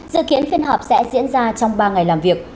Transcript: dự kiến phiên họp sẽ diễn ra trong ba ngày làm việc